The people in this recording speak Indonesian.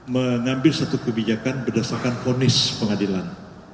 mengambil satu kebijakan berdasarkan fonis pengadilan